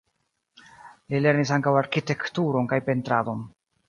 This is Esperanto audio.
Li lernis ankaŭ arkitekturon kaj pentradon.